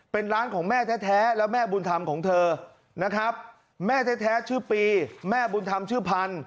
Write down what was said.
เป็นร้านของแม่แท้และแม่บุญธรรมของเธอนะครับแม่แท้ชื่อปีแม่บุญธรรมชื่อพันธ